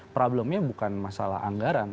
problemnya bukan masalah anggaran